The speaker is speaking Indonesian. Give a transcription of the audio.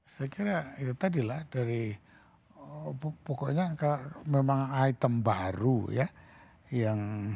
saya kira itu tadilah dari pokoknya memang item baru ya